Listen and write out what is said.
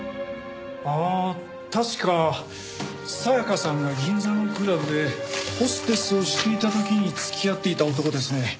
ああ確か沙耶香さんが銀座のクラブでホステスをしていた時に付き合っていた男ですね。